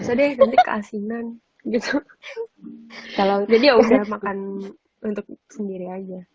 jadi ya udah makan untuk sendiri aja